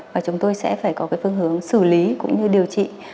và chúng tôi sẽ phải có cái phương hướng xử lý cũng như điều trị